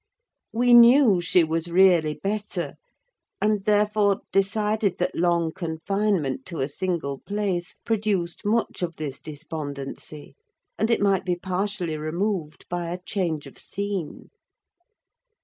We knew she was really better, and, therefore, decided that long confinement to a single place produced much of this despondency, and it might be partially removed by a change of scene.